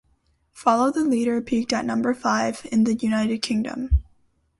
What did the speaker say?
"Follow the Leader" peaked at number five in the United Kingdom.